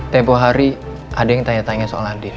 tempoh hari ada yang tanya tanya soal adil